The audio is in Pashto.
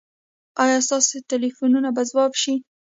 ایا ستاسو ټیلیفون به ځواب شي؟